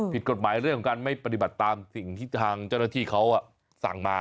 ผิดกฎหมายเรื่องของการไม่ปฏิบัติตามสิ่งที่ทางเจ้าหน้าที่เขาสั่งมา